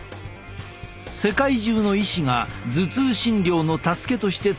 世界中の医師が頭痛診療の助けとして使っているものだ。